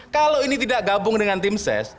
kalau ini tidak gabung dengan tim ses